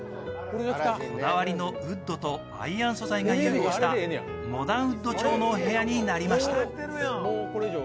こだわりのウッドとアイアン素材が融合したモダンウッド調のお部屋になりました。